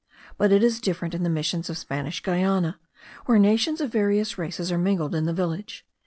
But it is different in the Missions of Spanish Guiana, where nations of various races are mingled in the village.